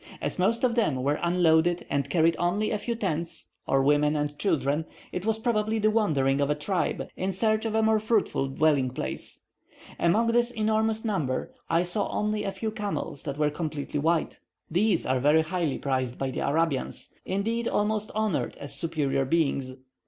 As most of them were unloaded and carried only a few tents, or women and children, it was probably the wandering of a tribe in search of a more fruitful dwelling place. Among this enormous number, I saw only a few camels that were completely white. These are very highly prized by the Arabians; indeed, almost honoured as superior beings.